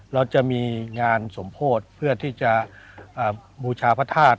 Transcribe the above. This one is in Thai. เราจะมีงานสมโพธิเพื่อที่จะบูชาพระธาตุ